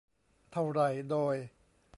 เท่าไหร่โดย